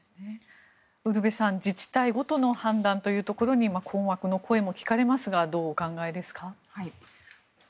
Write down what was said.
ウルヴェさん自治体ごとの判断というところに困惑の声も聞かれますがどうお考えですか？